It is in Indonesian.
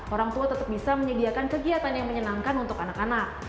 orang tua tetap bisa menyediakan kegiatan yang menyenangkan untuk anak anak